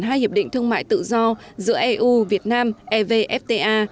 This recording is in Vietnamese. hai hiệp định thương mại tự do giữa eu việt nam evfta